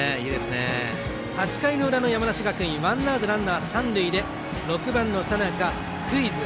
８回の裏の山梨学院ワンアウト、ランナー、三塁で６番の佐仲、スクイズ。